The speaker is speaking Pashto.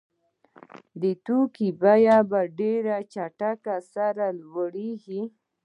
د توکو بیه په ډېره چټکۍ سره لوړېږي